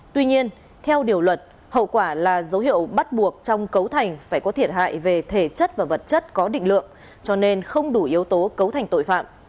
tuy nhiên theo điều luật hậu quả là dấu hiệu bắt buộc trong cấu thành phải có thiệt hại về thể chất và vật chất có định lượng cho nên không đủ yếu tố cấu thành tội phạm